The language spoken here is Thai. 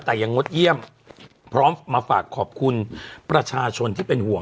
แต่ยังงดเยี่ยมพร้อมมาฝากขอบคุณประชาชนที่เป็นห่วง